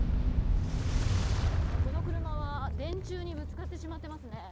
この車は電柱にぶつかってしまっていますね。